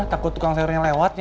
takut tukang sayurnya lewat